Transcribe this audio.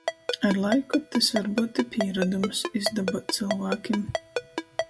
Ar laiku tys var byut i pīrodums — izdobuot cylvākim.